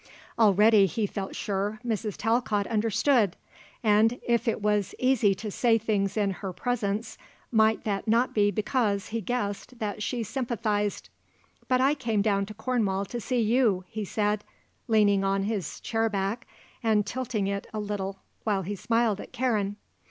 Already, he felt sure, Mrs. Talcott understood, and if it was easy to say things in her presence might that not be because he guessed that she sympathised? "But I came down to Cornwall to see you," he said, leaning on his chair back and tilting it a little while he smiled at Karen.